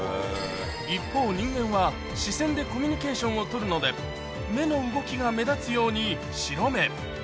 一方、人間は視線でコミュニケーションをとるので、目の動きが目立つように白目。